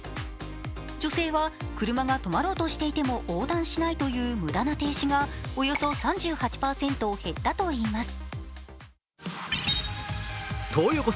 女性は、車が止まろうとしていても横断しないという無駄な停止がおよそ３８％減ったといいます。